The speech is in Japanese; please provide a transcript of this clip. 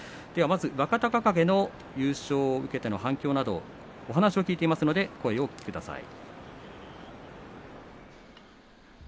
若隆景の優勝へ向けての反響など話を聞いていますのでお聞きください。